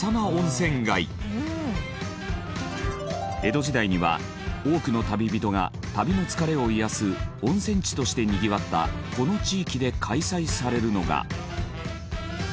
江戸時代には多くの旅人が旅の疲れを癒やす温泉地としてにぎわったこの地域で開催されるのが。